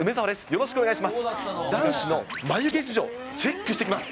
よろしくお願いします。